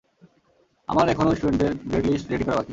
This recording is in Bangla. আমার এখনও স্টুডেন্টদের গ্রেড-লিস্ট রেডি করা বাকি।